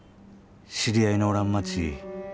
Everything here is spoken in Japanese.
知り合いのおらん街